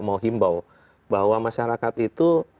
mau himbau bahwa masyarakat itu